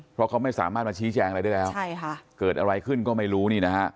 เพราะเขาไม่สามารถมาชี้แจงอะไรได้แล้วใช่ค่ะเกิดอะไรขึ้นก็ไม่รู้นี่นะฮะ